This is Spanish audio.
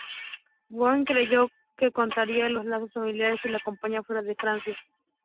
Gauguin creyó que cortaría los lazos familiares y lo acompañaría fuera de Francia.